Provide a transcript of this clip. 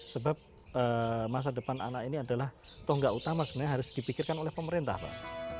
sebab masa depan anak ini adalah tonggak utama sebenarnya harus dipikirkan oleh pemerintah pak